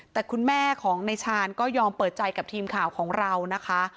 แต่คุณแม่ของในชาญก็ยอมเปิดใจกับทีมข่าวของเรานะคะ